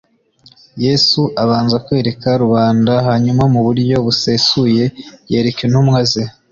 Yesu abanza kwereka rubanda hanyuma mu buryo busesuye yereka intumwa ze